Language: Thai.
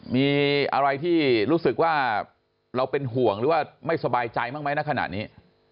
มีอะไรที่รู้สึกว่าเราเป็นห่วงหรือว่าไม่สบายใจบ้างไหมณขณะนี้